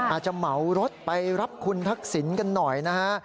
เหมารถไปรับคุณทักษิณกันหน่อยนะฮะ